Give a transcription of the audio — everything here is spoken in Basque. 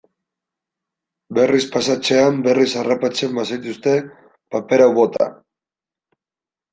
Berriz pasatzean berriz harrapatzen bazaituzte, paper hau bota.